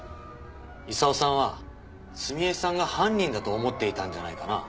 功さんは澄江さんが犯人だと思っていたんじゃないかな。